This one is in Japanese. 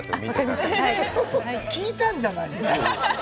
聞いたんじゃないですか。